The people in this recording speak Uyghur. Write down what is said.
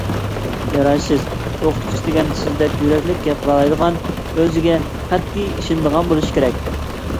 يارايسىز! ئوقۇتقۇچى دېگەن سىزدەك يۈرەكلىك گەپ قىلالايدىغان، ئۆزىگە قەتئىي ئىشىنىدىغان بولۇشى كېرەك.